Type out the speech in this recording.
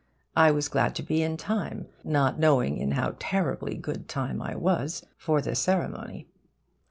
I was glad to be in time not knowing in how terribly good time I was for the ceremony.